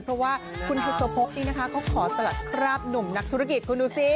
เพราะว่าคุณพฤษภกรนี่นะคะขอสลัดขอบหนุ่มนักธุรกิจคุณหนูซิ